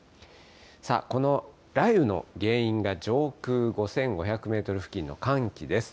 さあ、この雷雨の原因が上空５５００メートル付近の寒気です。